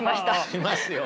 しますよね。